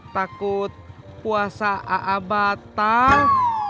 takut puasa aa batas